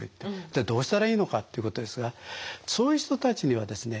じゃあどうしたらいいのかっていうことですがそういう人たちにはですね